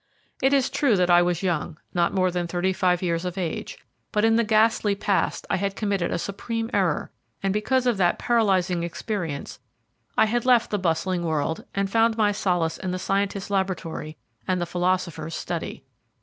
It is true that I was young, not more than thirty five years of age, but in the ghastly past I had committed a supreme error, and because of that paralyzing experience I had left the bustling world and found my solace in the scientist's laboratory and the philosopher's study.